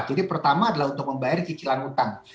jadi pertama adalah untuk membayar cicilan utang